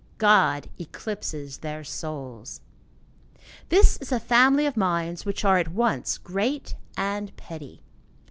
God eclipses their souls. This is a family of minds which are, at once, great and petty.